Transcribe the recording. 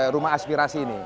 rumah aspirasi ini